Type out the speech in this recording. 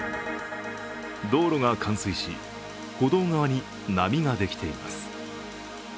道路が冠水し、歩道側に波ができています。